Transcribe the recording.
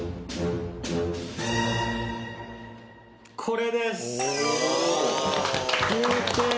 これです。